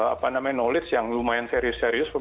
apa namanya knowledge yang lumayan serius serius